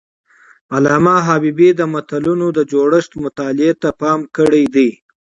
علامه حبيبي د ملتونو د جوړښت مطالعې ته پام کړی دی.